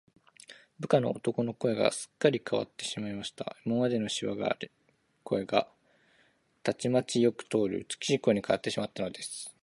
部下の男の声が、すっかりかわってしまいました。今までのしわがれ声が、たちまちよく通る美しい声にかわってしまったのです。